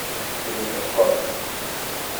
Illes es con me.